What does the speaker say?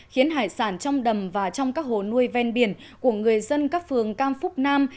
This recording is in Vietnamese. khiến hải sản trong đầm và trong các hồ nuôi ven biển của người dân các phường cam phúc nam